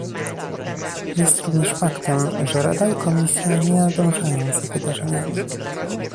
Jest również faktem, że Rada i Komisja nie nadążają za wydarzeniami